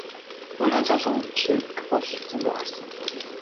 Өнөө залуу эмчийг бол зөндөө харсан.